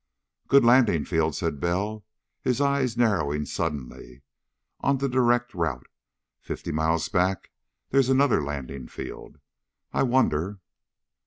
"Good landing field," said Bell, his eyes narrowing suddenly. "On the direct route. Fifty miles back there's another landing field. I wonder...."